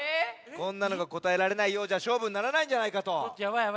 こんなのがこたえられないようじゃしょうぶにならないんじゃないかと。